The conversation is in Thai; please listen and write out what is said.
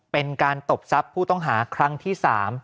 เป็นการตบทรัพย์ผู้ต้องหาครั้งที่๓